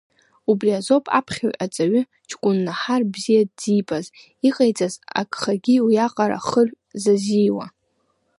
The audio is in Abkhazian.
Убри азоуп аԥхьаҩ аҵаҩы ҷкәын Наҳар бзиа дзибаз, иҟаиҵаз агхагьы уиаҟара хырҩ зазиуа.